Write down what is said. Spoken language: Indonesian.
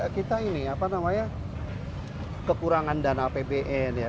kita ini apa namanya kekurangan dana apbn ya